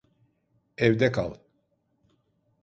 Evde kal.